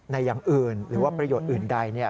อย่างอื่นหรือว่าประโยชน์อื่นใด